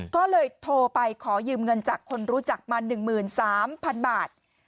ก็เลยโทรไปขอยืมเงินจากคนรู้จักมา๑๓๐๐๐บาท